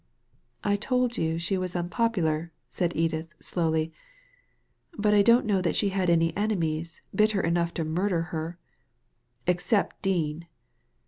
*' I told you she was unpopular," said Edith, slowly, " but I don't know that she had any enemies bitter enough to murder her." « Except Dean!"